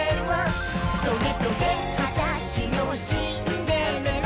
「トゲトゲはだしのシンデレラ」